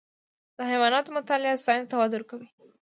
د حیواناتو مطالعه ساینس ته وده ورکوي.